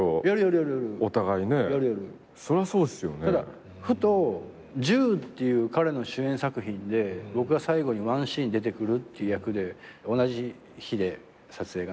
ただふと『銃』っていう彼の主演作品で僕が最後にワンシーン出てくるっていう役で同じ日で撮影がね。